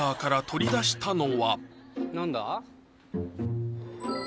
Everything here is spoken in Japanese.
何だ？